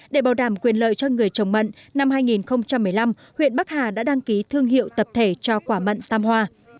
để bảo đảm quyền lợi cho người trồng mận năm hai nghìn một mươi năm huyện bắc hà đã đăng ký thương hiệu tập thể cho quả mận tam hoa